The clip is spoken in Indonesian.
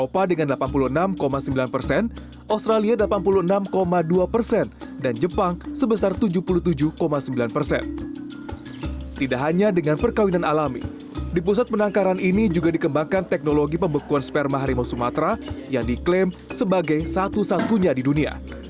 pusat penangkaran ini juga dikembangkan teknologi pembekuan sperma harimau sumatera yang diklaim sebagai satu satunya di dunia